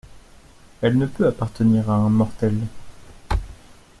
Elle ne peut appartenir à un mortel!